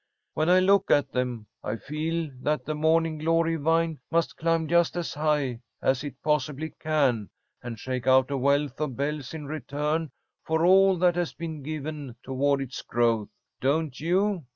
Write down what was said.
"When I look at them I feel that the morning glory vine must climb just as high as it possibly can, and shake out a wealth of bells in return for all that has been given toward its growth. Don't you?"